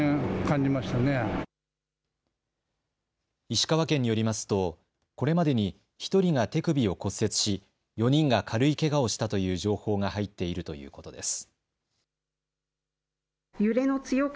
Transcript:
石川県によりますとこれまでに１人が手首を骨折し４人が軽いけがをしたという情報が入っているということです。